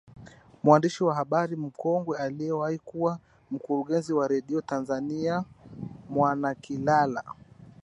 Mwandishi wa habari mkongwe aliyewahi kuwa Mkurugenzi wa Radio Tanzania Ngwanakilala